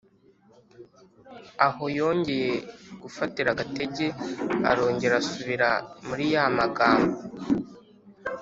aho yongeye gufatira agatege arongera asubira muri ya magambo